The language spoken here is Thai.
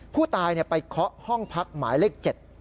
ผู้ตายไปเคาะห้องพักหมายเลข๗